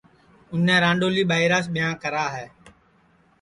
اُنے رانڈؔولی ٻائیراس ٻیاں کرا ہے